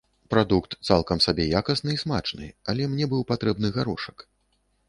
Прадукт цалкам сабе якасны і смачны, але мне быў патрэбны гарошак.